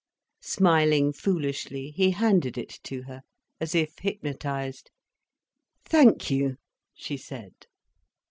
Smiling foolishly he handed it to her, as if hypnotised. "Thank you," she said.